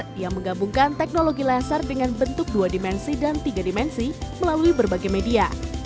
dia menggabungkan teknologi laser dengan bentuk dua dimensi dan tiga dimensi melalui berbagai media